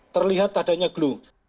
terlihat tadanya glue